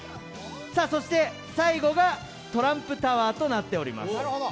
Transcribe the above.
そして最後が「トランプタワー」となっております。